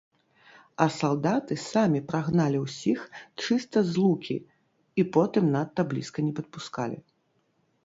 А салдаты самі прагналі ўсіх чыста з лукі і потым надта блізка не падпускалі.